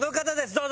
どうぞ。